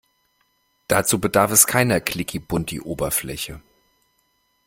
Dazu bedarf es keiner klickibunti Oberfläche.